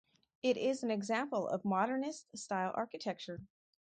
It is an example of modernist style architecture.